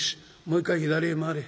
もう一回左へ回れ」。